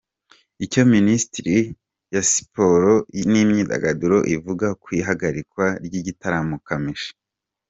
Icyo minisiteri yasiporo n’imyidagaduru ivuga ku ihagarikwa ry’igitaramo kamishi